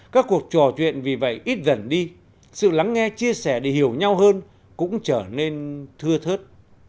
các cuộc trò chuyện vì vậy ít dần đi sự lắng nghe chia sẻ để hiểu nhau hơn cũng trở nên thưa thớt